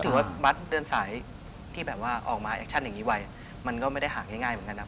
ถือว่าบัตรเดินสายที่แบบว่าออกมาแอคชั่นอย่างนี้ไว้มันก็ไม่ได้หาง่ายเหมือนกันนะ